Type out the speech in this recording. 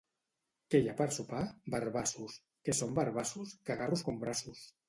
—Què hi ha per sopar? —Barbassos. —Què són barbassos? —Cagarros com braços.